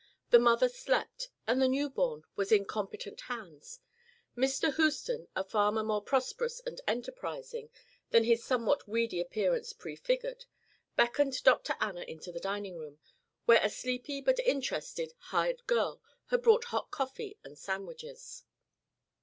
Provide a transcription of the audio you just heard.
The mother slept and the new born was in competent hands. Mr. Houston, a farmer more prosperous and enterprising than his somewhat weedy appearance prefigured, beckoned Dr. Anna into the dining room, where a sleepy but interested "hired girl" had brought hot coffee and sandwiches.